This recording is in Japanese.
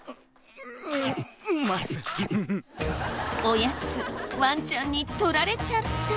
おやつワンちゃんに取られちゃった。